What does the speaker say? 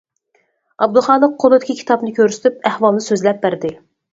ئابدۇخالىق قولىدىكى كىتابنى كۆرسىتىپ ئەھۋالنى سۆزلەپ بەردى.